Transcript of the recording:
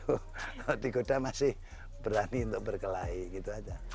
kalau di goda masih berani untuk berkelahi gitu aja